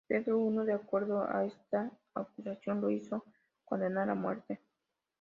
Pedro I, de acuerdo a esta acusación, lo hizo condenar a muerte.